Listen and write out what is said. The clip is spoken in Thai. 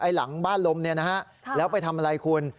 หลังบ้านลมเนี่ยนะฮะแล้วไปทำอะไรคุณ